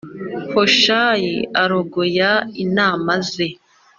Hushayi arogoya inama ze